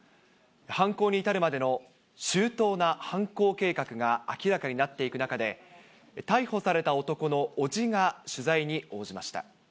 犯行に至るまでの周到な犯行計画が明らかになっていく中で、逮捕された男の伯父が取材に応じました。